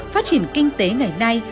phát triển kinh tế ngày nay